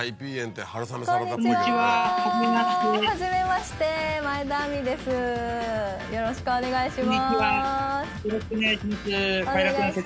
薛さんよろしくお願いします。